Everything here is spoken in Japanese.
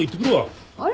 あれ？